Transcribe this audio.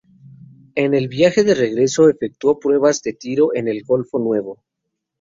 En el viaje de regreso efectuó pruebas de tiro en el Golfo Nuevo.